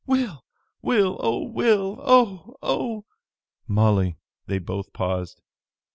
"Will! Will! Oh, Will! Oh! Oh!" "Molly!" They both paused.